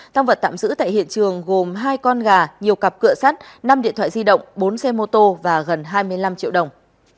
tăng vật tạm giữ tại hiện trường gồm hai con gà nhiều cặp cửa sắt năm điện thoại di động bốn xe mô tô và gần hai mươi năm triệu đồng